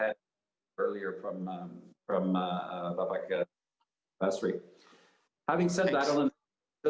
dari bapak ketua kepala kepala kepala kepala